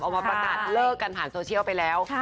ออกมาประกาศเลิกกันผ่านโซเชียลไปแล้ว